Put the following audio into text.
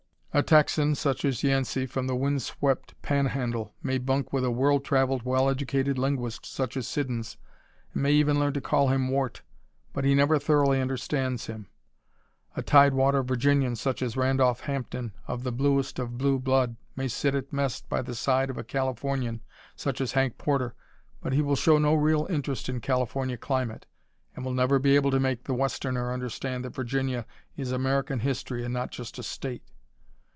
A Texan, such as Yancey, from the wind swept Panhandle, may bunk with a world travelled, well educated linguist, such as Siddons, and may even learn to call him Wart, but he never thoroughly understands him. A tide water Virginian, such as Randolph Hampden, of the bluest of blue blood, may sit at mess by the side of a Californian, such as Hank Porter, but he will show no real interest in California climate and will never be able to make the westerner understand that Virginia is American history and not just a state.